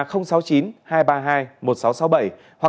hoặc là sáu mươi chín hai trăm ba mươi hai một nghìn sáu trăm sáu mươi bảy